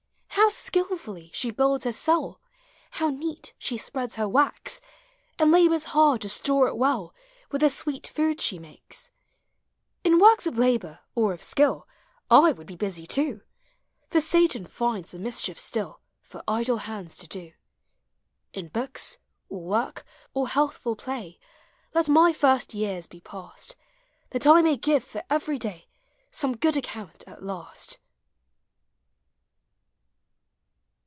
Dow skilfully she builds her cell; ilow neat she spreads her wax. And labors hard to store it well With the sweet food she makes. In works of labor or of skill, I would be busy too ; For Satan tinds some mischief still For idle hands to do. In books, or work, or healthful piny. Let my first years be passed ; That I may give for every day Some good account at last.